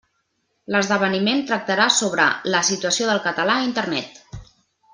L'esdeveniment tractarà sobre «La situació del català a Internet».